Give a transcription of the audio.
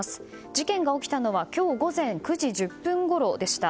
事件が起きたのは今日午前９時１０分ごろでした。